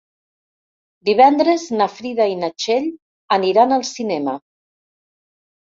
Divendres na Frida i na Txell aniran al cinema.